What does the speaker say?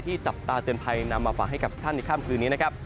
จับตาเตือนภัยนำมาฝากให้กับท่านในค่ำคืนนี้นะครับ